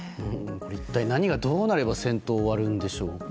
一体何がどうなれば戦闘が終わるんでしょうか。